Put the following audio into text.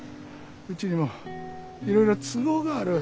うちにもいろいろ都合がある。